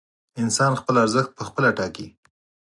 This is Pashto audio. انسان خپل ارزښت پخپله ټاکي.